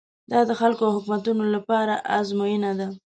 دا د خلکو او حکومتونو لپاره ازموینه ده.